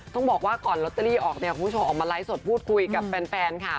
ต้องบอกว่าก่อนลอตเตอรี่ออกเนี่ยคุณผู้ชมออกมาไลฟ์สดพูดคุยกับแฟนค่ะ